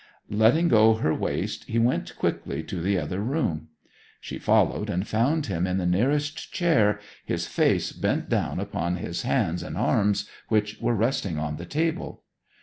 Letting go her waist he went quickly to the other room. She followed, and found him in the nearest chair, his face bent down upon his hands and arms, which were resting on the table.